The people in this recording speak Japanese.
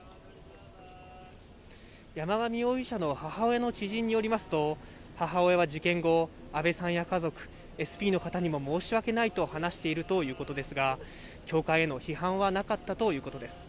山上容疑者の母親の知人によりますと、母親は事件後、安倍さんや家族、ＳＰの方にも申し訳ないと話しているということですが、教会への批判はなかったということです。